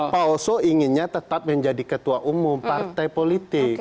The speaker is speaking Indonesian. pak oso inginnya tetap menjadi ketua umum partai politik